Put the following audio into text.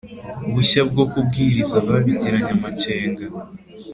bushya bwo kubwiriza babigiranye amakenga